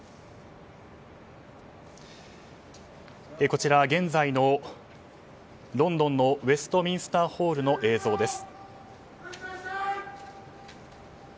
こちら、現在のロンドンのウェストミンスターホールの映像です。